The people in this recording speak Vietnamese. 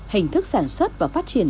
hình thức sản xuất và phát triển